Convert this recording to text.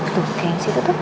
tuh kayaknya di situ tuh